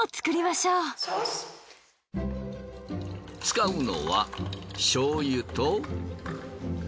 使うのはしょう油と。